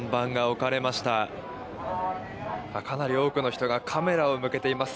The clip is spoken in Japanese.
かなり多くの人がカメラを向けています。